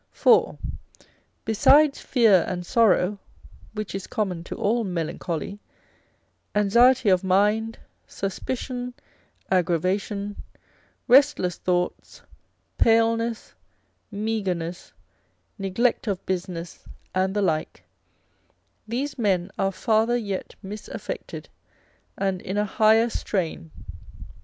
For besides fear and sorrow, which is common to all melancholy, anxiety of mind, suspicion, aggravation, restless thoughts, paleness, meagreness, neglect of business, and the like, these men are farther yet misaffected, and in a higher strain.